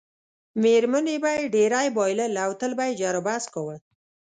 میرمنې به یې ډېری بایلل او تل به یې جروبحث کاوه.